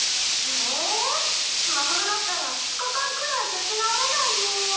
まほろだったら２日間くらい立ち直れないよ。